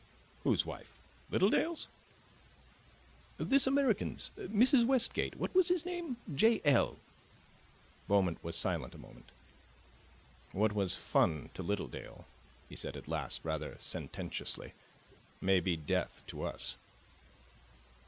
"Whose wife Littledale's?" "This American's Mrs. Westgate. What's his name? J.L." Beaumont was silent a moment. "What was fun to Littledale," he said at last, rather sententiously, "may be death to us."